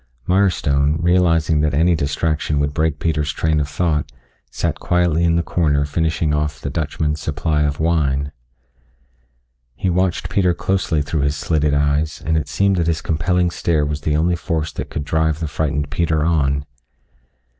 Mirestone, realizing that any distraction would break Peter's train of thought, sat quietly in the corner finishing off the Dutchman's supply of wine. He watched Peter closely through his slitted eyes, and it seemed that his compelling stare was the only force that could drive the frightened Peter on.